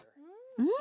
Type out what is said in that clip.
うん。